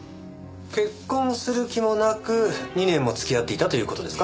結婚する気もなく２年も付き合っていたという事ですか？